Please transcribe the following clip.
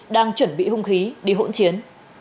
đang chuẩn bị hung khí đi hỗn chiến